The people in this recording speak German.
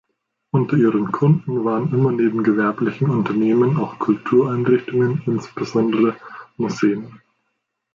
Unter ihren Kunden waren immer neben gewerblichen Unternehmen auch Kultureinrichtungen, insbesondere Museen.